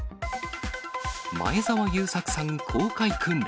前澤友作さん公開訓練。